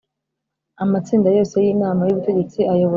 Amatsinda yose y Inama y Ubutegetsi ayoborwa